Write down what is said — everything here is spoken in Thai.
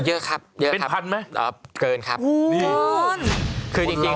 เยอะครับครับอ่อเกินครับเป็นพันธุ์ไหม